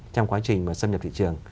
trong quá trình xâm nhập thị trường